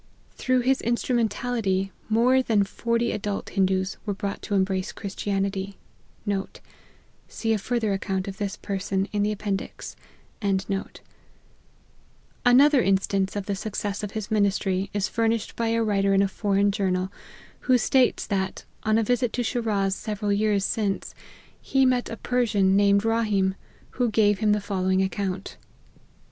Through his instrumentality more than forty adult Hindoos were brought to embrace Christianity.* Another instance of the success of his ministry, is furnished by a writer in a foreign journal, who states that, on a visit to Shiraz several years since, he met a Persian named Rahem, who gave him the following account.